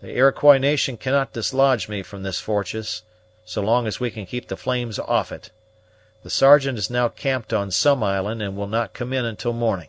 The Iroquois nation cannot dislodge me from this fortress, so long as we can keep the flames off it. The Sergeant is now 'camped on some island, and will not come in until morning.